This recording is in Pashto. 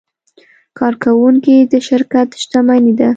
کارکوونکي د شرکت شتمني ده.